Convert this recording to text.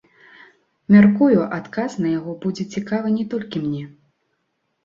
Мяркую, адказ на яго будзе цікавы не толькі мне.